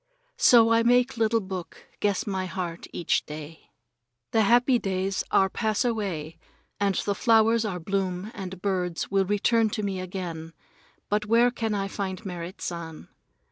So I make little book guess my heart each day. The happy days are pass away, and the flowers are bloom and birds will return to me again, but where can I find Merrit San?